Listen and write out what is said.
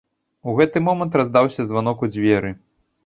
У гэты момант раздаўся званок у дзверы.